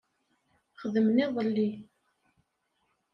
Xedmen iḍelli